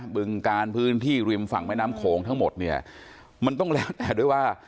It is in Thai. บึงการพื้นที่ริมฝั่งแม่น้ำโขงทั้งหมดเนี่ยมันต้องแล้วแต่ด้วยว่า